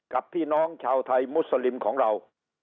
พี่น้องชาวไทยมุสลิมของเรา